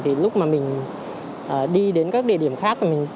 thì lúc mà mình đi đến các địa điểm khác